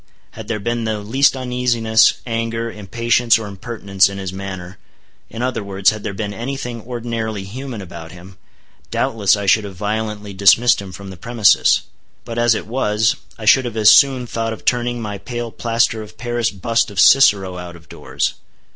Had there been the least uneasiness, anger, impatience or impertinence in his manner; in other words, had there been any thing ordinarily human about him, doubtless I should have violently dismissed him from the premises. But as it was, I should have as soon thought of turning my pale plaster of paris bust of Cicero out of doors.